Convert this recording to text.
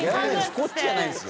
こっちじゃないんですよ。